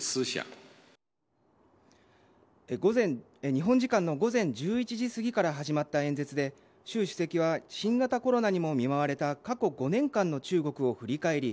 日本時間の午前１１時過ぎから始まった演説で習首席は新型コロナにも見舞われた過去５年間の中国を振り返り